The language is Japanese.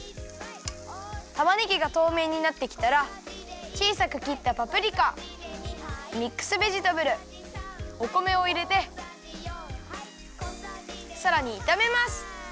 たまねぎがとうめいになってきたらちいさくきったパプリカミックスベジタブルお米をいれてさらにいためます。